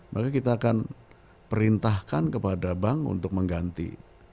maka kita akan perintahkan kepada bank untuk mengganti